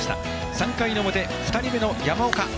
３回表、２人目の山岡。